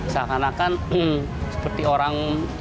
seakan akan seperti orang